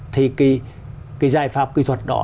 thì cái giải pháp kỹ thuật đó